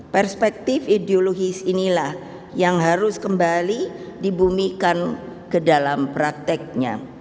perspektif ideologis inilah yang harus kembali dibumikan ke dalam prakteknya